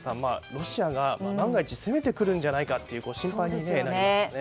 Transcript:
ロシアが万が一攻めてくるんじゃないかと心配になりますよね。